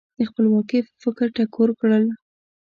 د خپلواکۍ په فکر ټکور کړل.